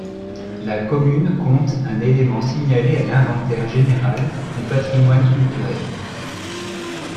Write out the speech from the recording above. La commune compte un élément signalé à l'inventaire général du patrimoine culturel.